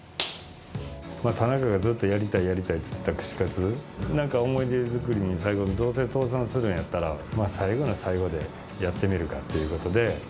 田中がずっとやりたいやりたいと言ってた串カツ、なんか思い出作りに、最後、どうせ倒産するんやったら、最後の最後でやってみるかっていうことで。